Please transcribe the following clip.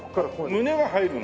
胸が入るの？